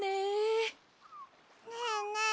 ねえねえ